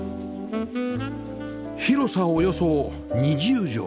広さおよそ２０畳